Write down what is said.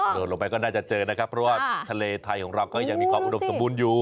ลงไปก็น่าจะเจอนะครับเพราะว่าทะเลไทยของเราก็ยังมีความอุดมสมบูรณ์อยู่